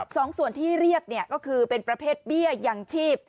สองส่วนที่เรียกเนี่ยก็คือเป็นประเภทเบี้ยยังชีพ